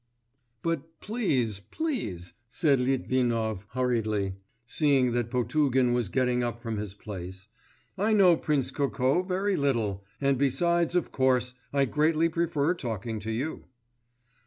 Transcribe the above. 'But, please, please,' said Litvinov hurriedly, seeing that Potugin was getting up from his place, 'I know Prince Kokó very little, and besides, of course, I greatly prefer talking to you.